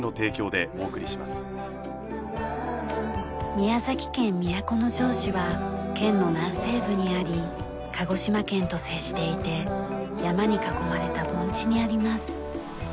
宮崎県都城市は県の南西部にあり鹿児島県と接していて山に囲まれた盆地にあります。